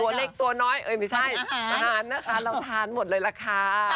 ตัวเล็กตัวน้อยเอ้ยไม่ใช่อาหารนะคะเราทานหมดเลยล่ะค่ะ